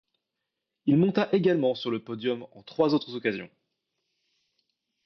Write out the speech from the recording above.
Il monta également sur le podium en trois autres occasions.